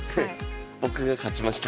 僕が勝ちました。